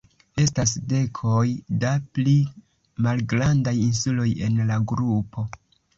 Estas dekoj da pli malgrandaj insuloj en la grupo.